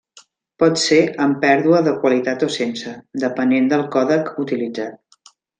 Pot ser amb pèrdua de qualitat o sense, depenent del còdec utilitzat.